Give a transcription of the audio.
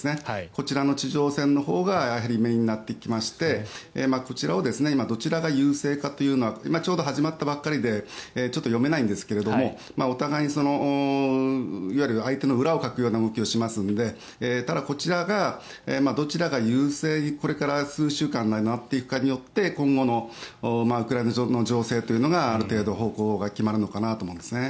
こちらの地上戦のほうがメインになってきましてこちらはどちらが優勢かというのはちょうど始まったばかりで読めないんですがお互いにいわゆる相手の裏をかくような動きをしますのでただ、こちらがどちらが優勢にこれから数週間の間になっていくかによって今後のウクライナの情勢というのがある程度方向が決まるのかなと思うんですね。